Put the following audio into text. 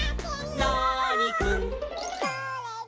ナーニくん」